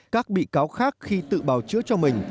các bị cáo khác khi tự bào chữa cho mình